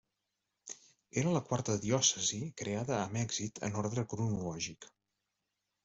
Era la quarta diòcesi creada a Mèxic en orde cronològic.